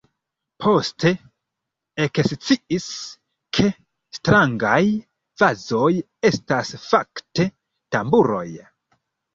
Poste eksciis ke strangaj vazoj estas fakte tamburoj.